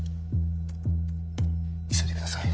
急いでください。